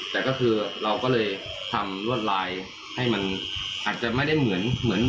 แต่ก็คือเราก็เลยทำรวดลายให้มันอาจจะไม่ได้เหมือนเหมือน